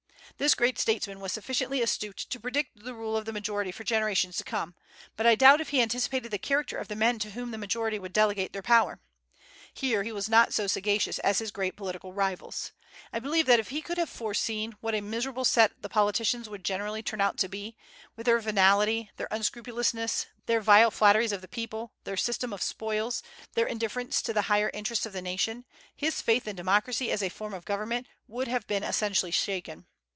This great statesman was sufficiently astute to predict the rule of the majority for generations to come, but I doubt if he anticipated the character of the men to whom the majority would delegate their power. Here he was not so sagacious as his great political rivals. I believe that if he could have foreseen what a miserable set the politicians would generally turn out to be, with their venality, their unscrupulousness, their vile flatteries of the people, their system of spoils, their indifference to the higher interests of the nation, his faith in democracy as a form of government would have been essentially shaken.